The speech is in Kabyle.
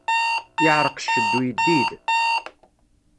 Yeɛṛeq cced uyeddid!